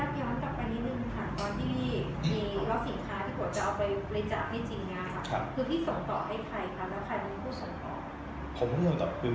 สอบคุณสิทธิ์ต่อมาครับ